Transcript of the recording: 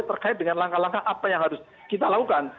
terkait dengan langkah langkah apa yang harus kita lakukan